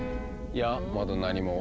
いやまだ何も。